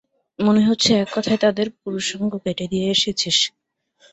মনে হচ্ছে এক কথায় তাদের পুরুষাঙ্গ কেটে দিয়ে এসেছিস।